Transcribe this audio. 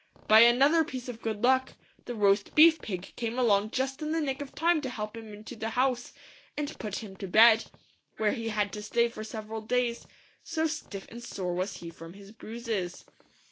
By another piece of good luck, the Roast Beef Pig came along just in the nick of time to help him into the house, and put him to bed, where he had to stay for several days, so stiff and sore was he from his bruises.